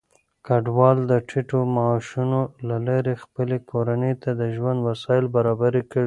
کډوال د ټيټو معاشونو له لارې خپلې کورنۍ ته د ژوند وسايل برابر کړي.